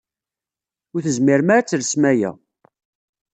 Ur tezmirem ara ad telsem aya.